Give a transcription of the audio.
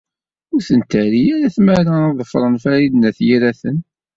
Ur ten-terri tmara ad ḍefren Farid n At Yiraten.